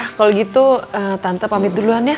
ya udah kalo gitu tante pamit duluan ya